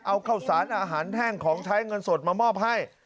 เอาข้าวสารอาหารแห้งของใช้เงินสดมามอบให้